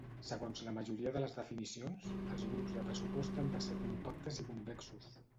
Segons la majoria de les definicions, els grups de pressupost han de ser compactes i convexos.